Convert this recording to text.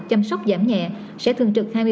chăm sóc giảm nhẹ sẽ thường trực hai mươi